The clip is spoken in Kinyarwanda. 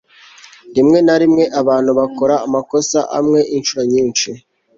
rimwe na rimwe abantu bakora amakosa amwe inshuro nyinshi